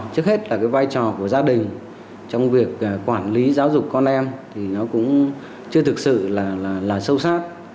trước hết là cái vai trò của gia đình trong việc quản lý giáo dục con em thì nó cũng chưa thực sự là sâu sát